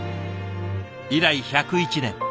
以来１０１年